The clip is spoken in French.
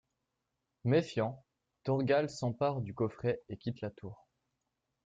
Méfiant, Thorgal s'empare du coffret et quitte la tour.